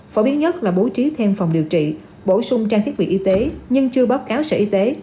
phổ biến nhất là bố trí thêm phòng điều trị bổ sung trang thiết bị y tế nhưng chưa báo cáo sở y tế